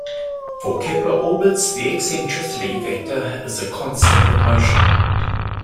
For Kepler orbits the eccentricity vector is a constant of motion.